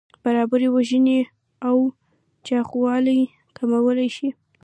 برابري وژنې او چاغوالی کمولی شي.